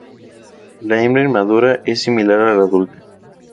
La hembra inmadura es similar a la adulta.